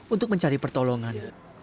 untuk mencari pertolongan